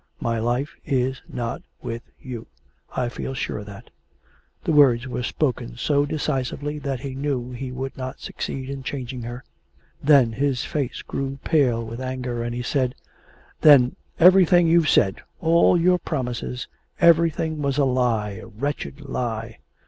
My life is not with you. I feel sure of that.' The words were spoken so decisively that he knew he would not succeed in changing her. Then his face grew pale with anger, and he said: 'Then everything you've said all your promises everything was a lie, a wretched lie.'